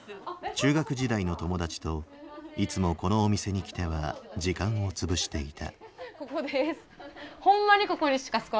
中学時代の友達といつもこのお店に来ては時間をつぶしていた。